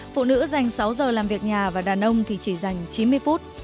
phụ nữ dành sáu giờ làm việc nhà và đàn ông thì chỉ dành chín mươi phút